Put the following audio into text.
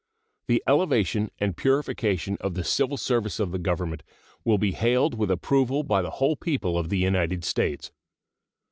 The elevation and purification of the civil service of the Government will be hailed with approval by the whole people of the United States.